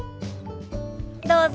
どうぞ。